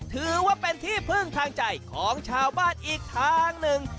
ถือว่าเป็นที่พึ่งทางใจของชาวบ้านอีกทางหนึ่ง